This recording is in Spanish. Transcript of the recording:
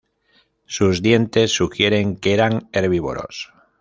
Sus dientes sugieren que eran herbívoros.